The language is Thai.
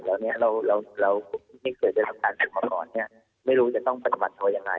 แล้วเนี่ยไม่รู้จะต้องต้องปธิบัติเครื่องนั้นยังไง